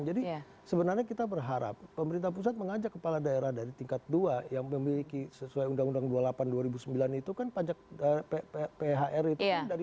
jadi sebenarnya kita berharap pemerintah pusat mengajak kepala daerah dari tingkat dua yang memiliki sesuai undang undang dua puluh delapan dua ribu sembilan itu kan pajak phr itu